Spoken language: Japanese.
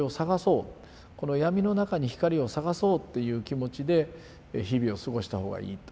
この闇の中に光を探そうっていう気持ちで日々を過ごした方がいいと。